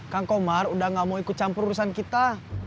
kang komar udah gak mau ikut campur urusan kita